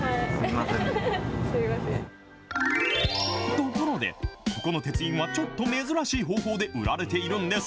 ところで、ここの鉄印はちょっと珍しい方法で売られているんです。